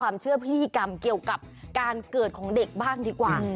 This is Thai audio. พิธีกรรมเกี่ยวกับการเกิดของเด็กบ้างดีกว่า